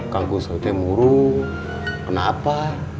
kau bisa jadi muruh kenapa